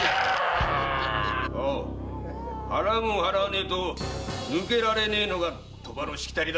払うもん払わねえと抜けられないのが賭場のしきたり。